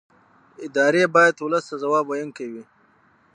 ادارې باید ولس ته ځواب ویونکې وي